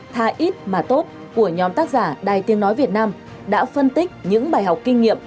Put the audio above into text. thà ít mà tốt của nhóm tác giả đài tiếng nói việt nam đã phân tích những bài học kinh nghiệm